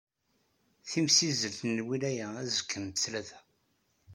Timsizzelt n lwilaya azekka n ttlata.